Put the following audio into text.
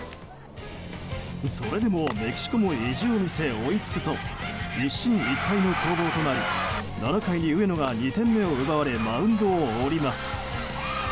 それでもメキシコも意地を見せ追いつくと一進一退の攻防となり７回に上野が２点目を奪われマウンドを降ります。